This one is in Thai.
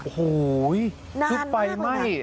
หูยคือไฟไหม้